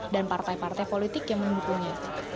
dan partai partai politik yang mendukungnya